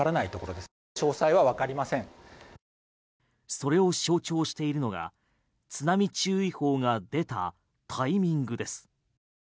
それを象徴しているのが津波注意報が出たタイミングです。